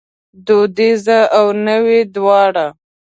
دودیزه او نوې دواړه